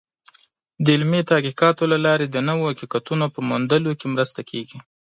د علمي تحقیقاتو له لارې د نوو حقیقتونو په موندلو کې مرسته کېږي.